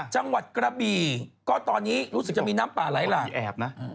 จังหวัดกระบี่ก็ตอนนี้รู้สึกจะมีน้ำป่าไหลหลากแอบนะ